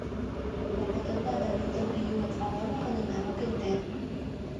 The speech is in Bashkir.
Ваҡытында Данилдың һөйөүен аңламағанына үкенде.